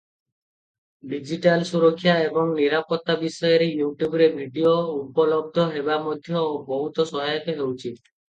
Digital ସୁରକ୍ଷା ଏବଂ ନିରାପତ୍ତା ବିଷୟରେ ୟୁଟ୍ୟୁବରେ ଭିଡିଓ ଉପଲବ୍ଧ ହେବା ମଧ୍ୟ ବହୁତ ସହାୟକ ହେଉଛି ।